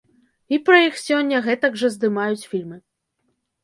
І пра іх сёння гэтак жа здымаюць фільмы.